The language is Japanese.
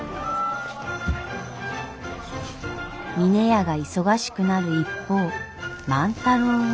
峰屋が忙しくなる一方万太郎は。